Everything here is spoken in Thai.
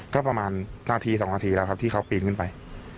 ก็ประมาณนาที๒นาทีแล้วครับที่เขาปีนขึ้นไป